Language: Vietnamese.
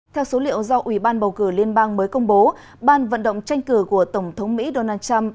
theo số liệu do ủy ban bầu cử liên bang mới công bố ban vận động tranh cử của tổng thống mỹ donald trump